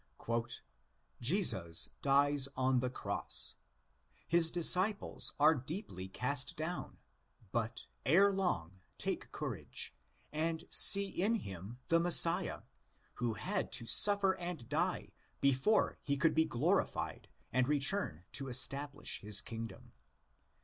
'¢ Jesus dies on the cross.! "' His disciples are deeply cast down, but ere long take courage, and see in him the Messiah, who had to suffer and die before he could be glorified and return to establish his kingdom.